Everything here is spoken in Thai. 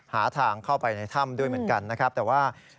หาทางเข้าไปในถ้ำด้วยเหมือนกันนะครับแต่ว่า